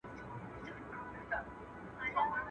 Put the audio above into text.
دا د جنګ له اوره ستړي ته پر سمه لار روان کې.